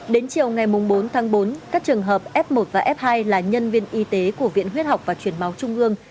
đến chiều ngày bốn tháng bốn các trường hợp f một và f hai là nhân viên y tế của viện huyết học và chuyển máu trung ương